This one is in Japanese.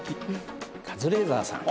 カズレーザーさん